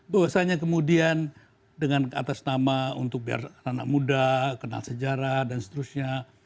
bahwasanya kemudian dengan atas nama untuk biar anak anak muda kenal sejarah dan seterusnya